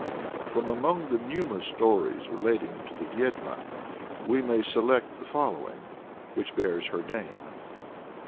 From among the numerous stories relating to the Vyed'ma we may select the following, which bears her name.